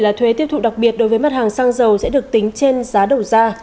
là thuế tiêu thụ đặc biệt đối với mặt hàng xăng dầu sẽ được tính trên giá đầu ra